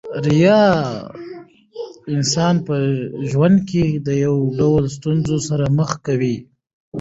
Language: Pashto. ریاء انسان په ژوند کښي د يو ډول ستونزو سره مخ کوي.